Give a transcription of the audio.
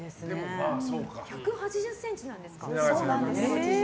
１８０ｃｍなんですね。